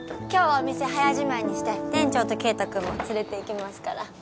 今日はお店早じまいにして店長と圭太君も連れていきますから。